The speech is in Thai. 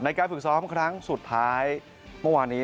การฝึกซ้อมครั้งสุดท้ายเมื่อวานนี้